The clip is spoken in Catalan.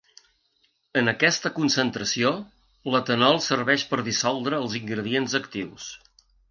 En aquesta concentració, l'etanol serveix per dissoldre els ingredients actius.